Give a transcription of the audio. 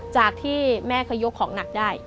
จากที่แม่เคยยกของหนักได้